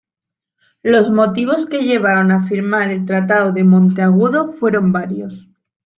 Los motivos que llevaron a firmar el tratado de Monteagudo fueron varios.